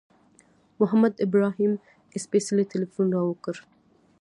محمد ابراهیم سپېڅلي تیلفون را وکړ.